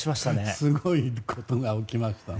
すごいことが起きましたね。